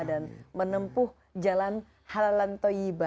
dan menempuh jalan halalan toyiban